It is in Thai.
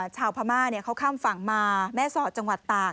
ชาวพม่าเขาข้ามฝั่งมาแม่สอดจังหวัดตาก